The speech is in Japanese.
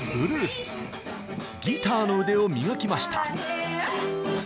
ギターの腕を磨きました。